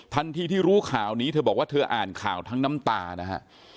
ที่รู้ข่าวนี้เธอบอกว่าเธออ่านข่าวทั้งน้ำตานะฮะ